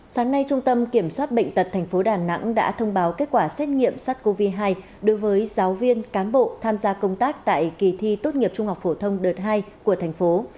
sáng nay trung tâm kiểm soát bệnh tật tp đà nẵng đã thông báo kết quả xét nghiệm sars cov hai đối với giáo viên cán bộ tham gia công tác tại kỳ thi tốt nghiệp trung học phổ thông đợt hai của thành phố